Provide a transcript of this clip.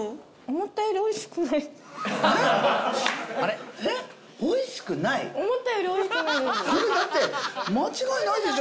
思ったよりおいしくないです